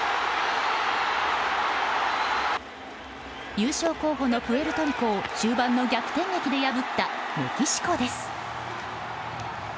優勝候補のプエルトリコを終盤の逆転劇で破ったメキシコです。